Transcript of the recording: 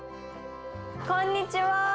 こんにちは。